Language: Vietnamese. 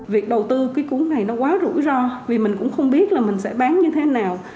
việc đầu tư cái cuốn này nó quá rủi ro vì mình cũng không biết là mình sẽ bán như thế nào